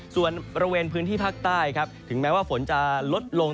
ส่วนบริเวณพื้นที่ภาคใต้ครับถึงแม้ว่าฝนจะลดลง